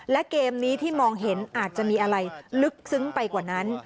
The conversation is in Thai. และเกมนี้ที่มองเห็นอาจจะมีอะไรลึกซึ้งไปกว่านั้น